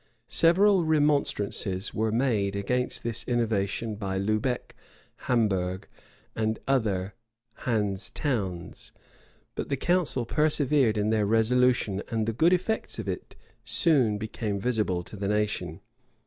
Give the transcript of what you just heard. Several remonstrances were made against this innovation by Lubec, Hamburgh, and other Hanse Towns; but the council persevered in their resolution, and the good effects of it soon became visible to the nation.